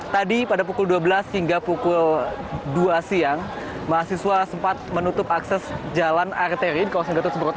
tadi pada pukul dua belas hingga pukul dua siang mahasiswa sempat menutup akses jalan arteri di kawasan gatot subroto